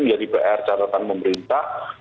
jadi br catatan pemerintah